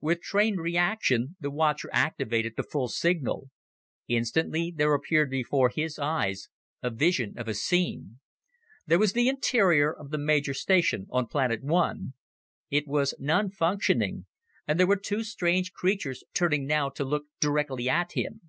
With trained reaction, the watcher activated the full signal. Instantly there appeared before his eyes a vision of a scene. There was the interior of the major station on Planet I. It was non functioning, and there were two strange creatures turning now to look directly at him.